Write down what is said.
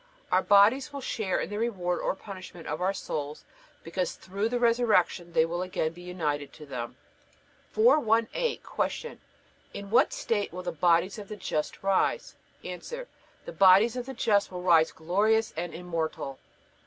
Our bodies will share in the reward or punishment of our souls, because through the resurrection they will again be united to them. 418. Q. In what state will the bodies of the just rise? A. The bodies of the just will rise glorious and immortal.